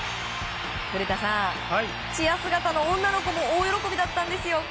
古田さん、チア姿の女の子も大喜びだったんですよ。